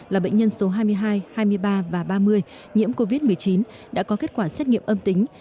là bệnh nhân số hai mươi hai hai mươi ba và ba mươi nhiễm covid một mươi chín đã có kết quả xét nghiệm âm tính